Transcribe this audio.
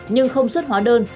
nhưng không xuất hóa đơn